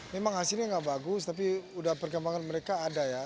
memang hasilnya nggak bagus tapi udah perkembangan mereka ada ya